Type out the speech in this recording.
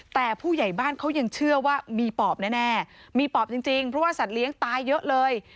แต่ผู้ใหญ่บ้านเขายังเชื่อว่ามีปอบแน่มีปอบจริงเพราะว่าสัตว์เลี้ยงตายเยอะเลย